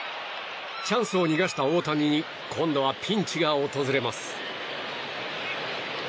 チャンスを逃がした大谷に今度はピンチが訪れます。